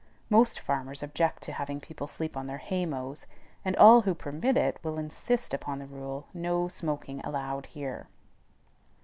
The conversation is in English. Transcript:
Most farmers object to having people sleep on their hay mows; and all who permit it will insist upon the rule, "No smoking allowed here."